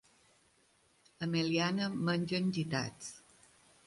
A Meliana mengen gitats.